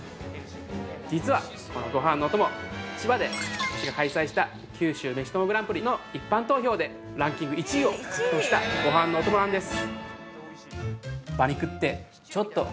◆実は、このごはんのお供、千葉で開催した九州めしともグランプリの一般投票でランキング１位を獲得したごはんのお供なんです。